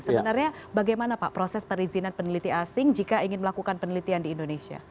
sebenarnya bagaimana pak proses perizinan peneliti asing jika ingin melakukan penelitian di indonesia